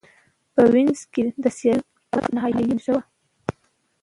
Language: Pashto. په وینز کې د سیاسي واک نهايي مرجع وه